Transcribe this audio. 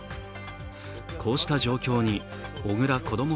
こうした状況に小倉こども